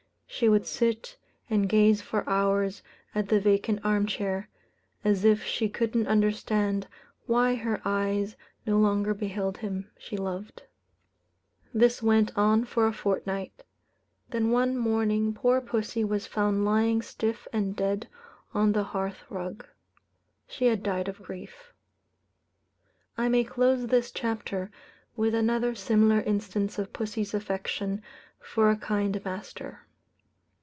She would sit and gaze for hours at the vacant arm chair, as if she couldn't understand why her eyes no longer beheld him she loved. This went on for a fortnight; then one morning poor pussy was found lying stiff and dead on the hearth rug. She had died of grief. I may close this chapter with another similar instance of pussy's affection for a kind master.